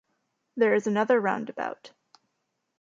There is another roundabout.